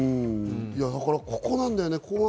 だからここなんだよね。